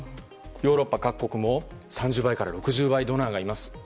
ヨーロッパ各国も３０倍から６０倍のドナーがいます。